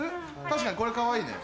確かにこれかわいいね。